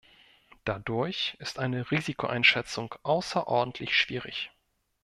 Dadurch ist eine Risikoeinschätzung außerordentlich schwierig.